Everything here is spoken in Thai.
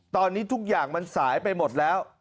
ตอนนี้ทุกอย่างมันสายไปหมดแล้ว